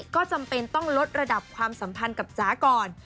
ก็จำเป็นต้องลดระดับความสัมพันธ์กับจ๋าก่อน